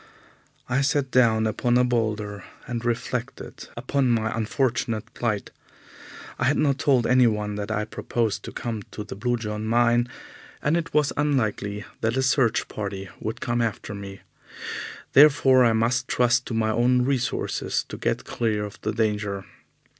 I sat down upon a boulder and reflected upon my unfortunate plight. I had not told anyone that I proposed to come to the Blue John mine, and it was unlikely that a search party would come after me. Therefore I must trust to my own resources to get clear of the danger.